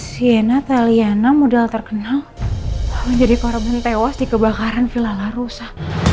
sienna taliana mudah terkenal menjadi korban tewas di kebakaran villa larussa